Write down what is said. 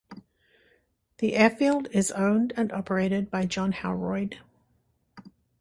The airfield is owned and operated by John Howroyd.